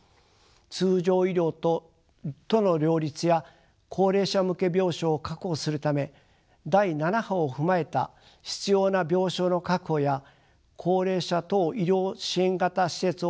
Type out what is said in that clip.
通常医療との両立や高齢者向け病床を確保するため第７波を踏まえた必要な病床の確保や高齢者等医療支援型施設を開設すること。